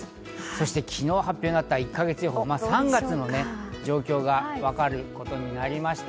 そして昨日発表された１か月予報、３月の状況がわかることになりました。